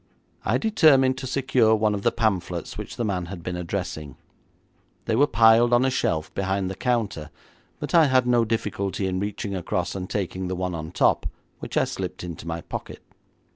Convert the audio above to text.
I determined to secure one of the pamphlets which the man had been addressing. They were piled on a shelf behind the counter, but I had no difficulty in reaching across and taking the one on top, which I slipped into my pocket.